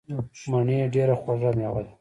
مڼې ډیره خوږه میوه ده.